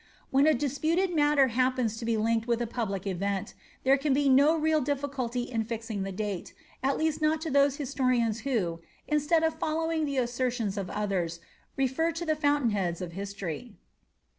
' When a disputed matter happens to be linked with a public event, there can be DO real difficulty in fixing the date, at least not to those historians who, instead of following the assertions of others, refer to the fountain heads of history.